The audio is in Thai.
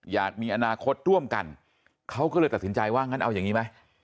อยากมีอนาคตร่วมกันเขาก็เลยตัดสินใจว่างั้นเอาอย่างนี้ไหม